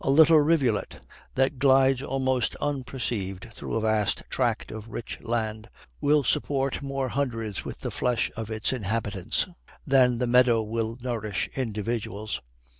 A little rivulet, that glides almost unperceived through a vast tract of rich land, will support more hundreds with the flesh of its inhabitants than the meadow will nourish individuals.